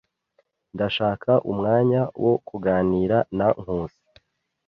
Ndashaka umwanya wo kuganira na Nkusi.